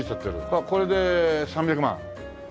これで３００万？